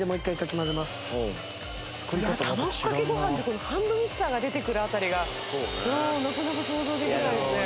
いや卵かけご飯でこのハンドミキサーが出てくるあたりがなかなか想像できないよね。